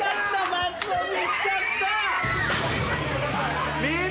松尾見つかった。